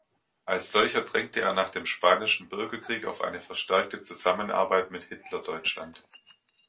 Als solcher drängte er nach dem Spanischen Bürgerkrieg auf eine verstärkte Zusammenarbeit mit Hitlerdeutschland.